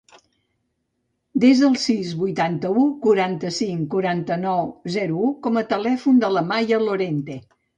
Desa el sis, vuitanta-u, quaranta-cinc, quaranta-nou, zero, u com a telèfon de la Maya Lorente.